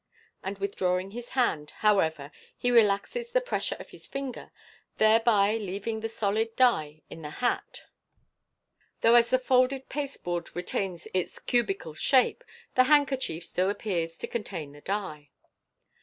In withdrawing his hand, however, he relaxes the pressure of his fingers, thereby leaving the solid die in the hat, though as the folded pasteboard retains its cubical shape, the handkerchief still appears to contain the die.